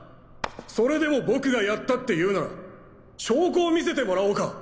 それでも僕がやったって言うなら証拠を見せてもらおうか！